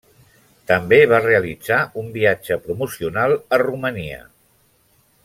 També va realitzar un viatge promocional a Romania.